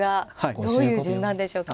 どういう順なんでしょうか。